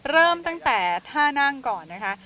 เริ่มตั้งแต่ท่านั่งก่อนนะคะ